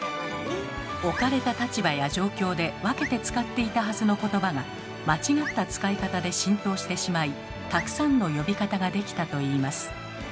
置かれた立場や状況で分けて使っていたはずの言葉が間違った使い方で浸透してしまいたくさんの呼び方が出来たといいます。